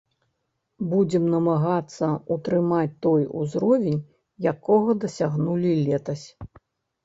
Будзем намагацца ўтрымаць той узровень, якога дасягнулі летась.